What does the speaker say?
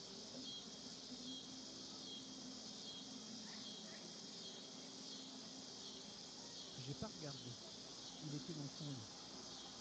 J’ai pas regardé… il était dans son lit.